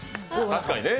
確かにね。